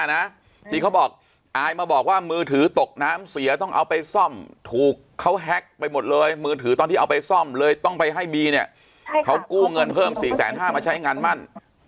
นะที่เขาบอกอายมาบอกว่ามือถือตกน้ำเสียต้องเอาไปซ่อมถูกเขาแฮ็กไปหมดเลยมือถือตอนที่เอาไปซ่อมเลยต้องไปให้บีเนี่ยเขากู้เงินเพิ่มสี่แสนห้ามาใช้งานมั่น